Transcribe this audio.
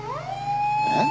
えっ？